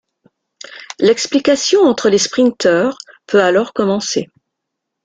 L'explication entre les sprinteurs peut alors commencer.